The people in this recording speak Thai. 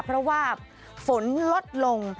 เพราะว่าฝนลดลง